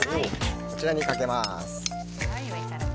こちらにかけます。